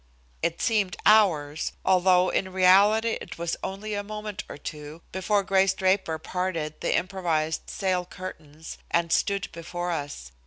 It seemed hours, although in reality it was only a moment or two before Grace Draper parted the improvised sail curtains and stood before us.